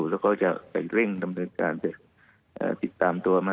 แล้วก็ก็จะให้เล่นตามตัวมา